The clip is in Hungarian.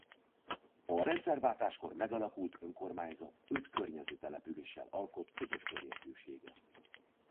A rendszerváltáskor megalakult önkormányzat öt környező településsel alkot közös körjegyzőséget.